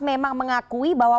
memang mengakui bahwa